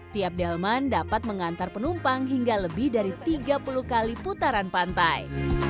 tiap delman dapat mengantar penumpang hingga lebih dari tiga puluh kali putaran pantai